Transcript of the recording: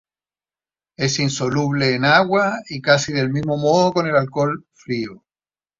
Es insoluble en agua y casi del mismo modo con el alcohol frío.